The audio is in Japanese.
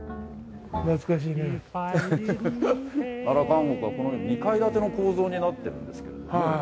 奈良監獄はこの２階建ての構造になってるんですけど。